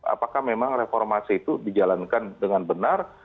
apakah memang reformasi itu dijalankan dengan benar